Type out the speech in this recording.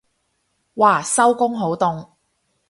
嘩收工好凍